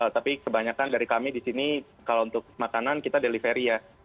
tapi kebanyakan dari kami di sini kalau untuk makanan kita delivery ya